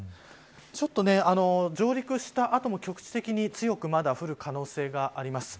ちょっと上陸した後も局地的に強くまだ降る可能性があります。